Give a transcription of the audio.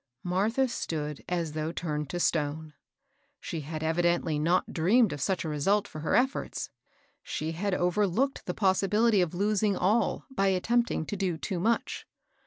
Martha stood as though turned to stone. She had evidently not dreamed of such a result for her efforts, — she had overlooked the possibility of losing all by attempting to do too much.